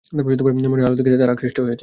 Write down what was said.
মনে হয়, আলো দেখে তারা আকৃষ্ট হয়েছে!